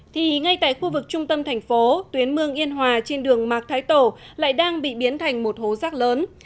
thì ngay tại khu vực trung tâm thành phố tuyến mương yên hòa trên đường mạc thái tổ lại đang bị biến thành một hố rác lớn